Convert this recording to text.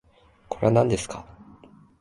これはなんですか